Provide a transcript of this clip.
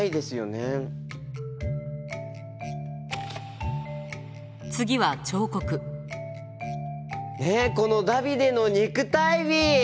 ねえこのダビデの肉体美！